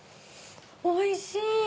おいしい！